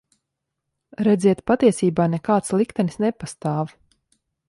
Redziet, patiesībā nekāds liktenis nepastāv.